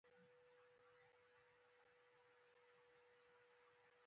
پر بیژن باندي د حملې پلان تړي.